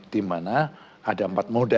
dimana ada empat moda